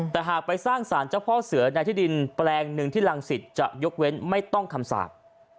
แต่หากไปสร้างสารเจ้าพ่อเสือในที่ดินแปลงหนึ่งที่รังสิตจะยกเว้นไม่ต้องคำสาป